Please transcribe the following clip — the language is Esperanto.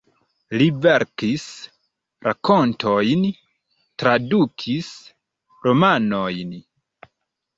Li verkis rakontojn, tradukis romanojn.